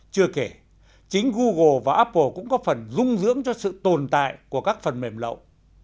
chưa kể chính google và apple cũng có phần dung dưỡng cho sự tồn tại của các phần mềm lậu